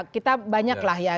kita banyak lah ya